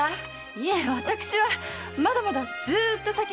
いえ私はまだまだずーっと先のことです。